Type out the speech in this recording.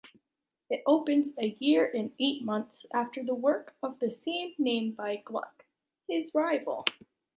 It opens a year and eight months after the work of the same name by Gluck, his rival.